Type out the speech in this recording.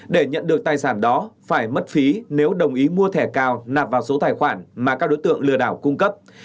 để nhận được tài sản đó phải mất phí nếu đồng ý mua thẻ cào nạp vào số tài khoản mà các đối tượng lừa đảo cung cấp